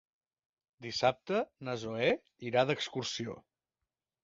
Dissabte na Zoè irà d'excursió.